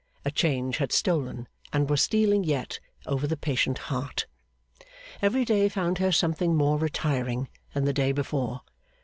A change had stolen, and was stealing yet, over the patient heart. Every day found her something more retiring than the day before.